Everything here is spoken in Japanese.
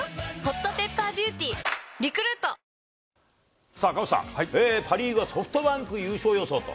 ただ、赤星さん、パ・リーグはソフトバンク優勝予想と。